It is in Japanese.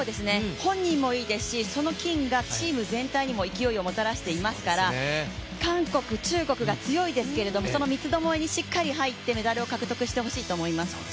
本人もいいですしその金がチーム全体にも勢いをもたらしていますから韓国、中国が強いですけどその三つどもえにしっかり入って、メダルを獲得してほしいと思います。